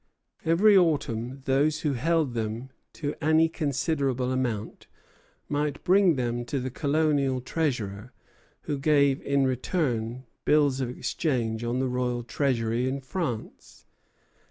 Every autumn those who held them to any considerable amount might bring them to the colonial treasurer, who gave in return bills of exchange on the royal treasury in France.